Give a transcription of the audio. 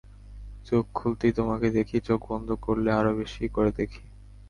চোখ খুলতেই তোমাকে দেখি, চোখ বন্ধ করলে আরও বেশি করে দেখি।